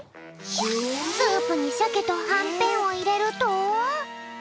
スープにシャケとはんぺんをいれると。